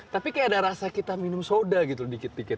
tapi kayak ada rasa kita minum soda gitu dikit dikit